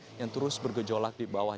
yang terus bergejolak di bawah